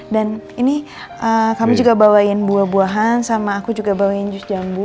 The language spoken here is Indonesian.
dan ini kami juga bawain buah buahan sama aku juga bawain jus jambu